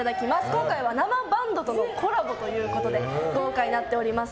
今回は生バンドとのコラボということで豪華になっております。